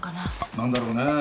何だろうね。